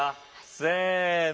せの。